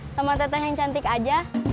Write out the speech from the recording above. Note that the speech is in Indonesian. sama teteh yang cantik aja